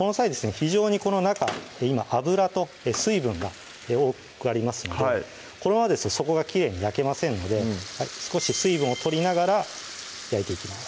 非常にこの中今油と水分が多くありますのでこのままですと底がきれいに焼けませんので少し水分を取りながら焼いていきます